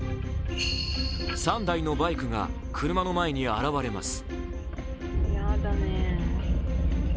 ３台のバイクが車の前に現れます。